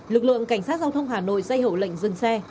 lực lượng cảnh sát giao thông hà nội dây hổ lệnh dừng xe